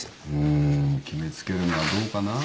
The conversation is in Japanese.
ん決め付けるのはどうかなぁ。